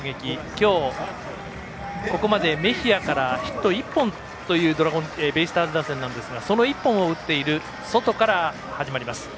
今日、ここまでメヒアからヒット１本というベイスターズ打線なんですがその１本を打っているソトから始まります。